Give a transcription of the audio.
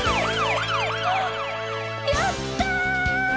やった！